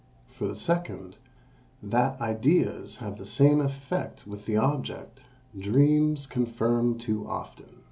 For the second, that ideas have the same effect with the object, dreams confirm too often.